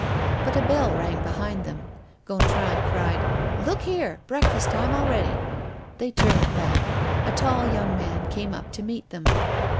But a bell rang behind them. Gontran cried: "Look here! breakfast time already!" They turned back. A tall, young man came up to meet them.